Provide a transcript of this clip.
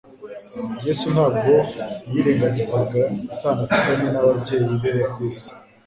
Yesu ntabwo yirengagizaga isano afitanye n'ababyeyi be bo ku isi.